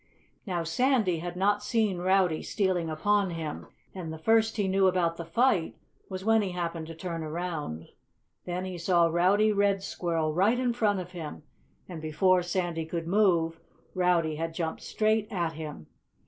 Now, Sandy had not seen Rowdy stealing upon him. And the first he knew about the fight was when he happened to turn around. Then he saw Rowdy Red Squirrel right in front of him. And before Sandy could move, Rowdy had jumped straight at him.